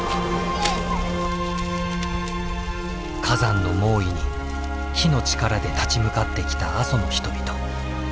火山の猛威に火の力で立ち向かってきた阿蘇の人々。